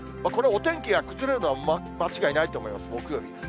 これ、お天気が崩れるのは間違いないと思います、木曜日。